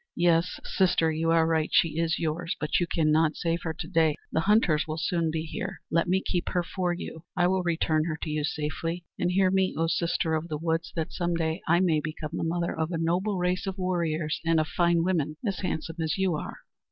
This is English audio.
"Yes, sister, you are right; she is yours; but you cannot save her to day! The hunters will soon be here. Let me keep her for you; I will return her to you safely. And hear me, O sister of the woods, that some day I may become the mother of a noble race of warriors and of fine women, as handsome as you are!"